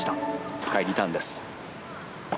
深いリターンです。